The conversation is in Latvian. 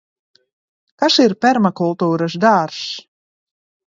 Kas ir permakultūras dārzs?